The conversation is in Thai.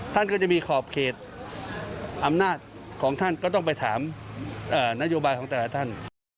ท่านก็จะมีขอบเขตอำนาจของท่านก็ต้องไปถามนโยบายของแต่ละท่าน